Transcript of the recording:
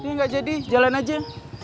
nggak jadi jalan aja